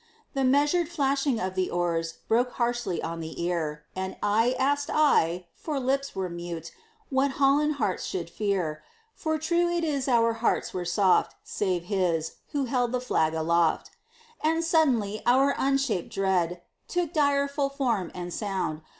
The measured flashing of the oars Broke harshly on the ear; And eye asked eye for lips were mute What Holland hearts should fear; For true it is our hearts were soft, Save his, who held the flag aloft. And suddenly our unshaped dread Took direful form and sound.